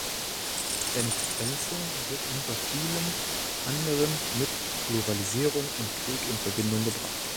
Entgrenzung wird unter vielem anderen mit Globalisierung und Krieg in Verbindung gebracht.